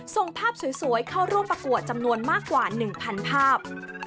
ส่งภาพสวยเข้าร่วมประกวดจำนวนมากกว่า๑๐๐ภาพ